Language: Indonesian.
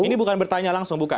ini bukan bertanya langsung bukan